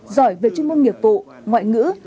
giỏi về chuyên môn nghiệp vụ ngoại ngữ